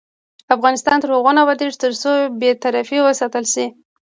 افغانستان تر هغو نه ابادیږي، ترڅو بې طرفي وساتل شي.